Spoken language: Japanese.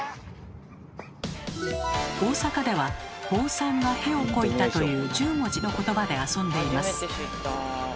大阪では「ぼうさんがへをこいた」という１０文字のことばで遊んでいます。